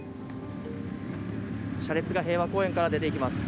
車列が平和公園から出ていきます。